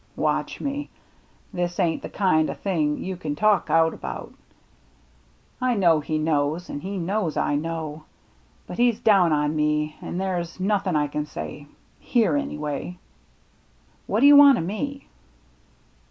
" Watch me. This ain't the kind o* thing you can talk out about. I know he knows, an* he knows I know ; but he's down on me an' there's nothin' I can say — here, any way." " What do you want o' me